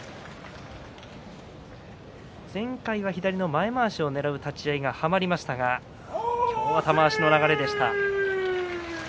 前まわしをねらう立ち合いがはまりましたが今日は玉鷲の流れでした。